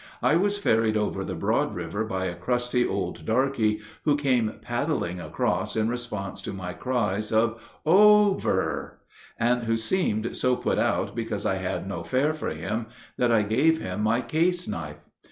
I was ferried over the Broad River by a crusty old darky who came paddling across in response to my cries of "O v e r," and who seemed so put out because I had no fare for him that I gave him my case knife.